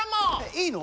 いいの？